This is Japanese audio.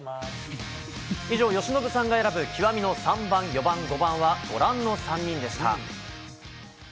以上、由伸さんが選ぶ極みの３番、４番、５番はご覧の３人でした。